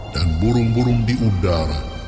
dan burung burung di udara